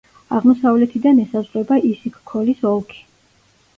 აღმოსავლეთიდან ესაზღვრება ისიქ-ქოლის ოლქი.